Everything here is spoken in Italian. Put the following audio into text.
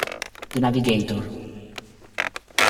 The Navigator